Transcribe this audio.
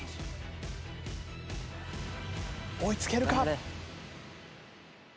追いつけるか？